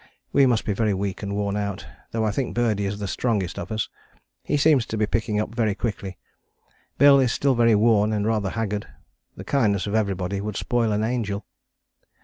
We must be very weak and worn out, though I think Birdie is the strongest of us. He seems to be picking up very quickly. Bill is still very worn and rather haggard. The kindness of everybody would spoil an angel."